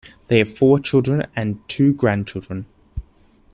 They have four children and two grandchildren.